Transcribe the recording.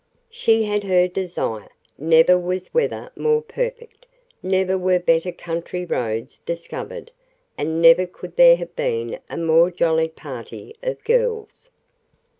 She had her desire. Never was weather more perfect, never were better country roads discovered and never could there have been a more jolly party of girls.